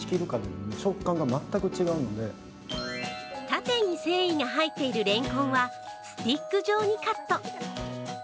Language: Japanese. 縦に繊維が入っているれんこんはスティック状にカット。